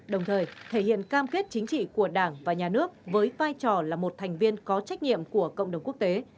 đồng thời thể hiện cam kết chính trị của đảng và nhà nước với vai trò là một thành viên có trách nhiệm của cộng đồng quốc tế